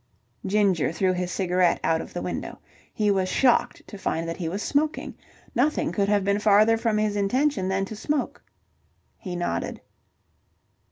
Ginger threw his cigarette out of the window. He was shocked to find that he was smoking. Nothing could have been farther from his intention than to smoke. He nodded.